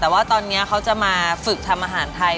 แต่ว่าตอนนี้เขาจะมาฝึกทำอาหารไทย